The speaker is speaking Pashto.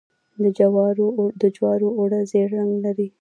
د جوارو اوړه ژیړ رنګ لري.